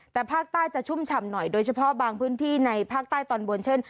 แต่ภาคใต้จะชุ่มฉ่ำหน่อยโดยเฉพาะบางพื้นที่ในภาคใต้ตอนบนเช่น